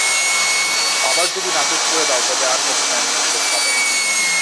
আবার যদি নাকচ করে দাও, তবে আর কখনো এমন সুযোগ পাবে না।